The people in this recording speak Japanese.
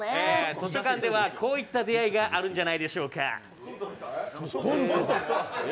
図書館ではこういった出会いがあるんじゃないでしょうか。